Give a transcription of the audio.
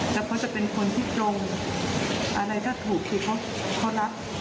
แล้วเขาจะเป็นคนที่ตรงอะไรถ้าถูกคือเขารัก